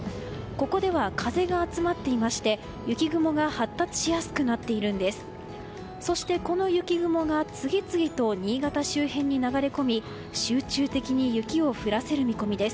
ここでは風が集まっていまして雪雲が発達しやすくなっているんです。